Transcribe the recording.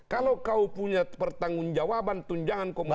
kalau kau punya pertanggung jawaban tunjangan